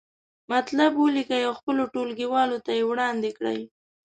مطلب ولیکئ او خپلو ټولګیوالو ته یې وړاندې کړئ.